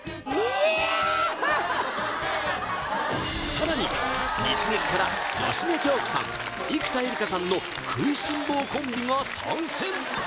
さらに日劇から芳根京子さん生田絵梨花さんの食いしん坊コンビが参戦